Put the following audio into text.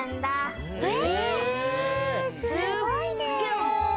すごいね！